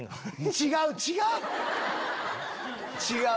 違う違う！